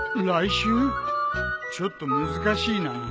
ちょっと難しいな。